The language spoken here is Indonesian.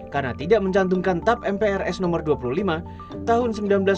karena tidak mencantumkan tap mprs no dua puluh lima tahun seribu sembilan ratus enam puluh enam